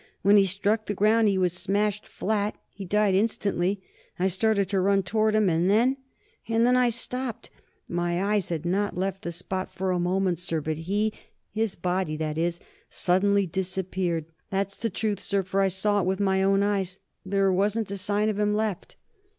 When he struck the ground, he was smashed flat; he died instantly. I started to run toward him, and then and then I stopped. My eyes had not left the spot for a moment, sir, but he his body, that is suddenly disappeared. That's the truth, sir, for I saw it with my own eyes. There wasn't a sign of him left."